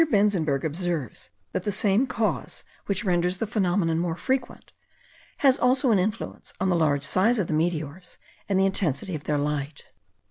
Benzenberg observes, that the same cause which renders the phenomenon more frequent, has also an influence on the large size of the meteors, and the intensity of their light.